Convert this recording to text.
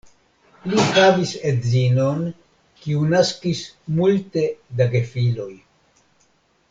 Li havis edzinon, kiu naskis multe da gefiloj.